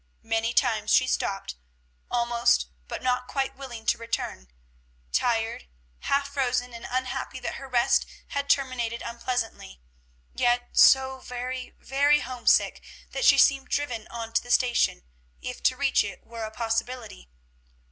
Many times she stopped, almost but not quite willing to return; tired, half frozen, and unhappy that her rest had terminated unpleasantly, yet so very, very homesick that she seemed driven on to the station, if to reach it were a possibility.